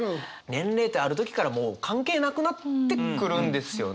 年齢ってある時からもう関係なくなってくるんですよね。